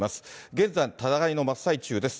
現在、戦いの真っ最中です。